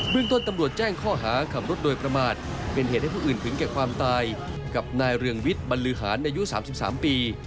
เรื่องต้นตำรวจแจ้งข้อหาขับรถโดยประมาทเป็นเหตุให้ผู้อื่นถึงแก่ความตายกับนายเรืองวิทย์บรรลือหารอายุ๓๓ปี